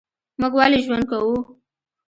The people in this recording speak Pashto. موږ ولي ژوند کوو؟